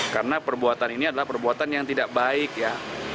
karena perbuatan ini adalah perbuatan yang tidak baik ya